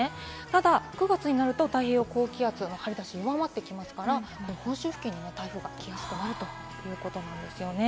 ただ９月になると太平洋高気圧の張り出し、弱まってきますから、本州付近に台風がきやすくなるということです。